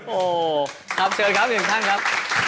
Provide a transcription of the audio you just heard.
โอ้ครับเชิญครับอย่างนั้นครับ